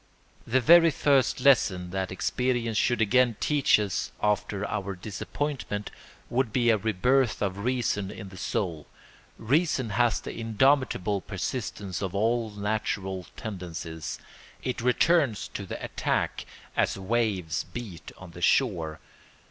The very first lesson that experience should again teach us after our disappointment would be a rebirth of reason in the soul. Reason has the indomitable persistence of all natural tendencies; it returns to the attack as waves beat on the shore.